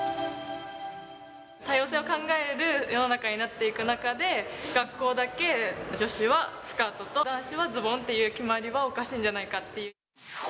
多様性を考える世の中になっていく中で、学校だけ、女子はスカートと、男子はズボンっていう決まりはおかしいんじゃないかって。